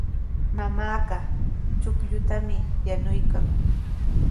Mamaaqa chuqllutami yanuykan.